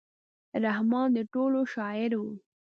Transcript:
رحمان د ټولو شاعر و.